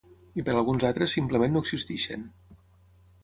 I per alguns altres simplement no existeixen.